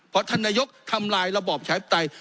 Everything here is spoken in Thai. เพราะท่านนายกทำลายระบอบประชาธิปไตย